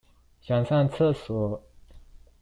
想上廁所